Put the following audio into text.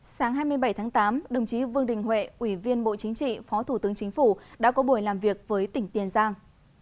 sáng hai mươi bảy tháng tám đồng chí vương đình huệ ủy viên bộ chính trị phó thủ tướng chính phủ đã có buổi làm việc với tỉnh tiền giang